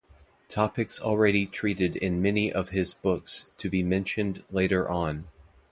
Topics already treated in many of his books to be mentioned later on.